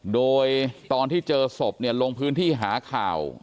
โดยตอนที่เจอศพลงพื้นที่หาข่าว